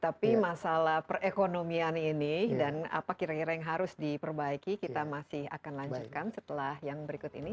tapi masalah perekonomian ini dan apa kira kira yang harus diperbaiki kita masih akan lanjutkan setelah yang berikut ini